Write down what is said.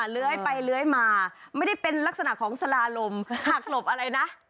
เลื้อยไปเลื้อยมาไม่ได้เป็นลักษณะของสลาลมหักหลบอะไรนะ